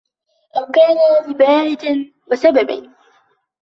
أَوْ كَانَ لِبَاعِثٍ وَسَبَبٍ